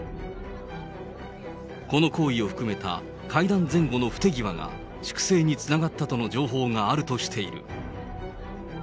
この行為を含めた会談前後の不手際が、粛清につながったとの情報があるとしている。